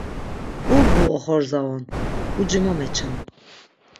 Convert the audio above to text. Ubğu oxorza on, uci mo meçam.